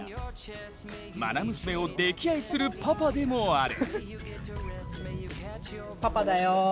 まな娘を溺愛するパパでもある。